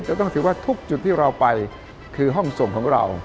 ต้องถือว่าทุกจุดที่เราไปคือห้องส่งของเรา